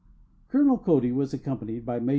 Colonel Cody was accompanied by Maj.